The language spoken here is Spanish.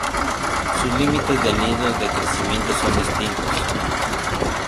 Sus límites de anillos de crecimiento son distintos.